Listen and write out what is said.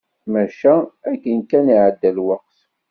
Maca akken kan iɛedda lweqt.